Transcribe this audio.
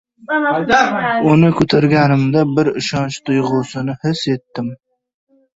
Uni ko‘targanimda bir ishonch tuyg‘usini his etdim